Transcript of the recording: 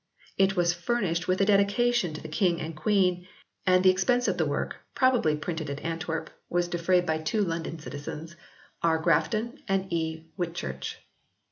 It was furnished with a dedication to the King and Queen, and the expense of the work, probably printed at Antwerp, was defrayed by two London citizens, R. Grafton and E. Whitchurch.